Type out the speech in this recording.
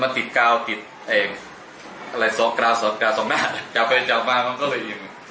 มันติดกล้าวติดเองอะไรสองกล้าวสองกล้าวสองหน้าจับไปจับมามันก็เลยเอียง